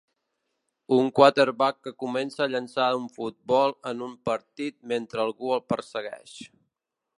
Un quarterback que comença a llançar un futbol en un partit mentre algú el persegueix.